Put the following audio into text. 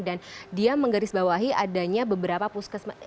dan dia menggaris bawahi adanya beberapa puskesmas